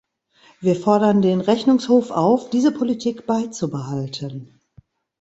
Wir fordern den Rechnungshof auf, diese Politik beizubehalten.